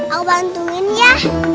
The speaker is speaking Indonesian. aku bantuin ya